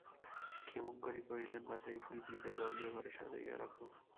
ক্ষেমংকরী কহিলেন, বাছা, এই ফুলগুলিতে জল দিয়া ঘরে সাজাইয়া রাখো।